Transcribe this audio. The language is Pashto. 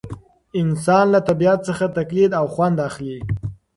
انسان له طبیعت څخه تقلید او خوند اخلي.